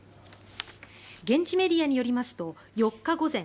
現地メディアによりますと４日午前